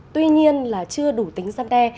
tuy nhiên là chưa đủ tính gian đe